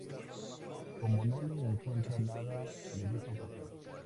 Como no le encuentran nada le dejan pasar.